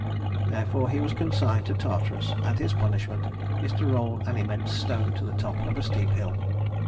Therefore he was consigned to Tartarus, and his punishment is to roll an immense stone to the top of a steep hill.